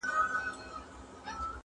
نیم وطن تیاره، د نیم رڼا د مازیګر